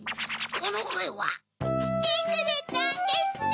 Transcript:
このこえは。きてくれたんですね！